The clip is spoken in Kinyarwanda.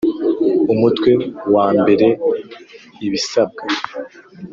Umutwe wa mbere i ibisabwa